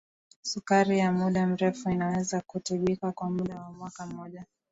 sukari ya muda mrefu inaweza kutibika kwa muda wa mwaka mmoja